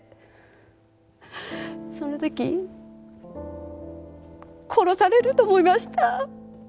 その時殺されると思いました！